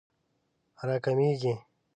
راکمېږي